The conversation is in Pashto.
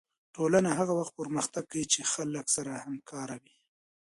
ټولنه هغه وخت پرمختګ کوي چې خلک سره همکاره وي